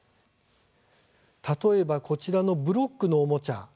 例えば、こちらのブロックのおもちゃ。